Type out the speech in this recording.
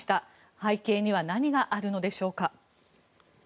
背景には何があるのでしょうか。